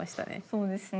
そうですね。